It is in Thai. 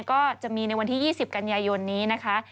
ก็จะมีในวันที่๒๐กันยายนนี้นะคะ